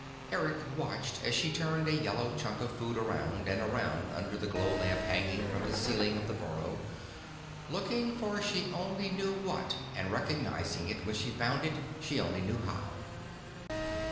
Eric watched as she turned a yellow chunk of food around and around under the glow lamp hanging from the ceiling of the burrow, looking for she only knew what and recognizing it when she found it she only knew how.